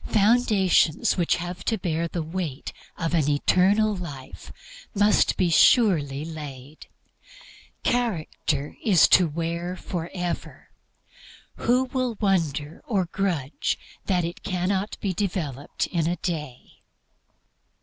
Foundations which have to bear the weight of an eternal life must be surely laid. Character is to wear forever; who will wonder or grudge that it cannot be developed in a day?